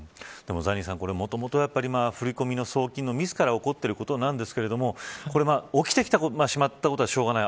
ザニーさん、もともと振り込みの送金のミスから起こっていることなんですが起きてしまったことはしょうがない。